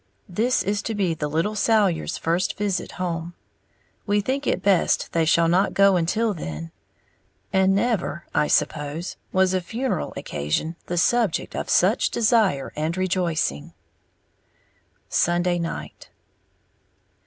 This is to be the little Salyers' first visit home we think it best they shall not go until then and never, I suppose, was a funeral occasion the subject of such desire and rejoicing. _Sunday Night.